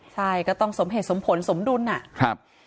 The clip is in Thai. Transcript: ใช่ก็ต้องสมเหตุสมผลสมดุลนะครับ